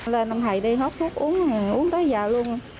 lên ông thầy đi hốt thuốc uống uống tới giờ luôn